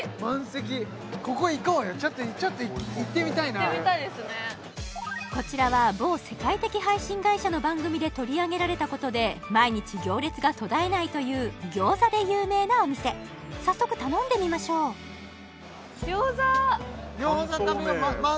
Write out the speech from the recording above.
ここ行こうよちょっと行ってみたいなこちらは某世界的配信会社の番組で取り上げられたことで毎日行列が途絶えないという餃子で有名なお店早速頼んでみましょう餃子